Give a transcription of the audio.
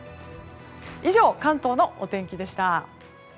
以上、関東のお天気でした。